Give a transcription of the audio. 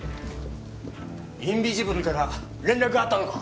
インビジブルから連絡があったのか？